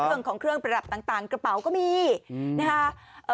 เรื่องของเครื่องประดับต่างกระเป๋าก็มีนะคะ